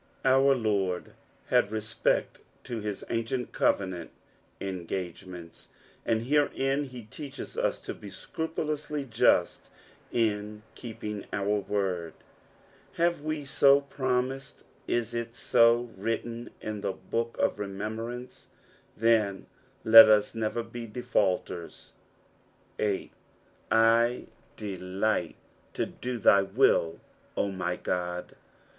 Our Lord hail respect to his ancieut covenant engagements, and herein he teaches us to be scrupuloiuly just in keeping our word ; hiive we so ptomised, is it so written in tho book of remembmnue t then let us never be defaulters. 8. '' Ideliffht to do thy uiU, 0 my God."